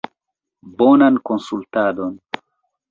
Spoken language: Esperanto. Bonan konsultadon!